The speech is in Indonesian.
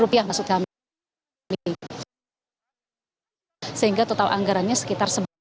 rupiah maksud kami ini sehingga total anggarannya sekitar sebelas lima triliun